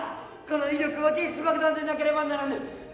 この威力は原子爆弾でなければならぬ。